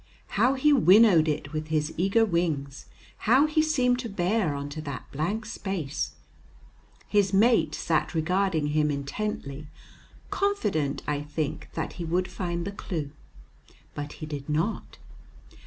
How he winnowed it with his eager wings! how he seemed to bear on to that blank space! His mate sat regarding him intently, confident, I think, that he would find the clew. But he did not.